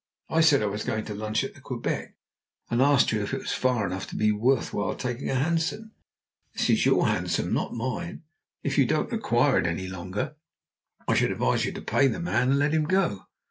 I said I was going to lunch at the Quebec, and asked you if it was far enough to be worth while taking a hansom. That is your hansom, not mine. If you don't require it any longer, I should advise you to pay the man and let him go."